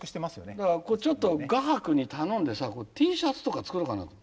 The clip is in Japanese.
だからちょっと画伯に頼んでさＴシャツとか作ろうかな。